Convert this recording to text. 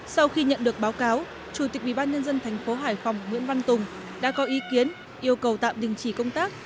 sau khi nhận được báo cáo chủ tịch ubnd tp hải phòng nguyễn văn tùng đã có ý kiến yêu cầu tạm đình chỉ công tác